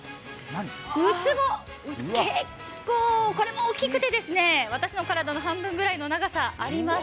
うつぼ、結構これも大きくて私の体の半分ぐらいの長さ、あります。